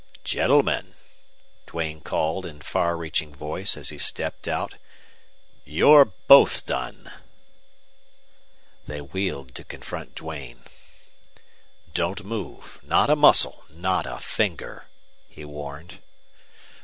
"GENTLEMEN!" Duane called in far reaching voice as he stepped out. "YOU'RE BOTH DONE!" They wheeled to confront Duane. "Don't move! Not a muscle! Not a finger!" he warned.